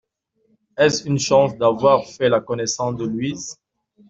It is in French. Est-ce une chance d’avoir fait la connaissance de Louise?